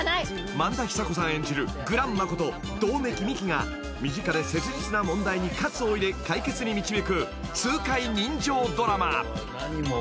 ［萬田久子さん演じるグランマこと百目鬼ミキが身近で切実な問題に喝を入れ解決に導く痛快人情ドラマ］